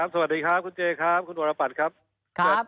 สวัสดีครับคุณเจครับคุณวรปัตย์ครับ